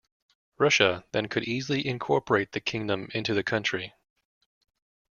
Russia, then, could easily incorporate the kingdom into the country.